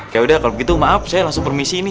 yaudah kalau begitu maaf saya langsung permisi ini